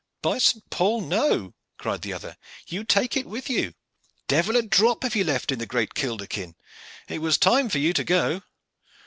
"By St. Paul, no!" cried the other. "You take it with you. Devil a drop have you left in the great kilderkin. It was time for you to go."